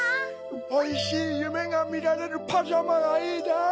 おいしいゆめがみられるパジャマがいいです。